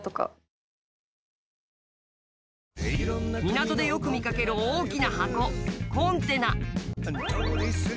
港でよく見かける大きな箱コンテナ。